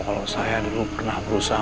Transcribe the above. kalau saya dulu pernah berusaha